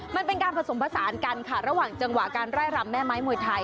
มันเป็นการผสมผสานกันค่ะระหว่างจังหวะการไล่รำแม่ไม้มวยไทย